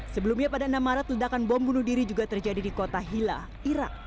sebelumnya pada enam maret ledakan bom bunuh diri juga terjadi di kota hila irak